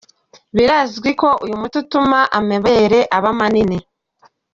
Birazwi ko uyu muti utuma amabere aba manini.